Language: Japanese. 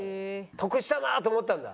得したなあと思ったんだ？